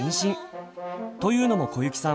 というのも小雪さん